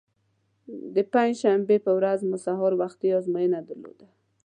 د پنجشنبې په ورځ مو سهار وختي ازموینه درلوده.